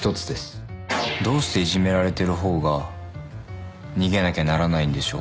「どうしていじめられてる方が逃げなきゃならないんでしょう」